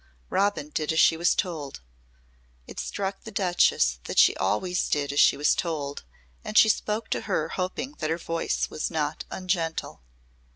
Robin did as she was told. It struck the Duchess that she always did as she was told and she spoke to her hoping that her voice was not ungentle.